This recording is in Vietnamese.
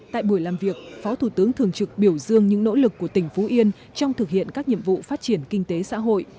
tại buổi làm việc phó thủ tướng thường trực biểu dương những nỗ lực của tỉnh phú yên trong thực hiện các nhiệm vụ phát triển kinh tế xã hội